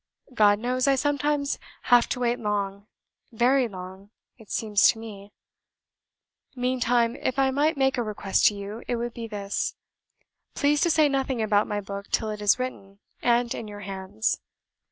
God knows, I sometimes have to wait long VERY long it seems to me. Meantime, if I might make a request to you, it would be this. Please to say nothing about my book till it is written, and in your hands.